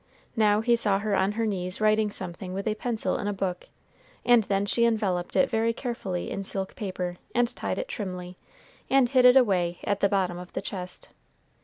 Now he saw her on her knees writing something with a pencil in a book, and then she enveloped it very carefully in silk paper, and tied it trimly, and hid it away at the bottom of the chest.